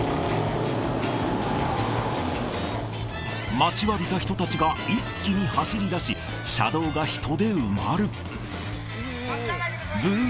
待ちわびた人たちが一気に走りだし、車道が人で埋まる。